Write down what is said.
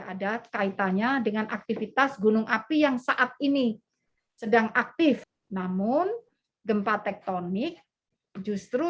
ada kaitannya dengan aktivitas gunung api yang saat ini sedang aktif namun gempa tektonik justru